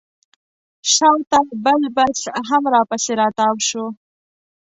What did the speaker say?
شاته بل بس هم راپسې راتاو شو.